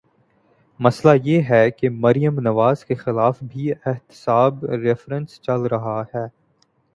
مسئلہ یہ ہے کہ مریم نواز کے خلاف بھی احتساب ریفرنس چل رہا ہے۔